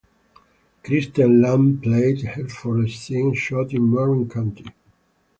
Kristen Lang played her for scenes shot in Marin County.